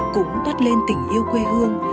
cũng đoát lên tình yêu quê hương